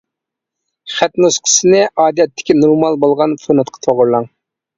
خەت نۇسخىسىنى ئادەتتىكى نورمال بولغان فونتقا توغرىلاڭ.